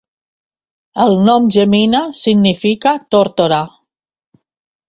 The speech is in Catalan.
El nom Jemima significa "tórtora".